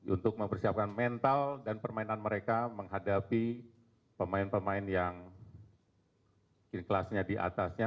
untuk mempersiapkan mental dan permainan mereka menghadapi pemain pemain yang kelasnya diatasnya